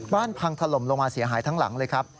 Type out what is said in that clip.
พังถล่มลงมาเสียหายทั้งหลังเลยครับ